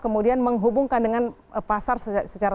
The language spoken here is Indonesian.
menghubungkan dengan pasar secara